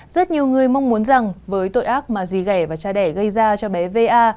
rất nhiều người mong muốn rằng với tội ác mà dì gẻ và cha đẻ gây ra cho bé v a